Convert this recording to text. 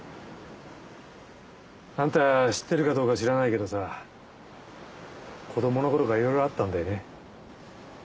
アンタ知ってるかどうか知らないけどさ子どもの頃からいろいろあったんだよね。